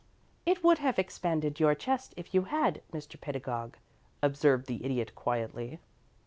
"It would have expanded your chest if you had, Mr. Pedagog," observed the Idiot, quietly.